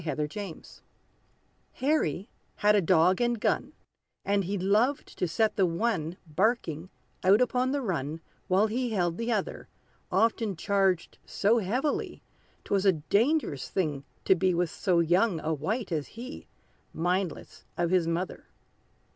=The Young Sportsman= Harry had a dog and gun; And he loved to set the one, Barking, out upon the run, While he held the other, Often charged so heavily, 'Twas a dangerous thing to be With so young a wight as he Mindless of his mother.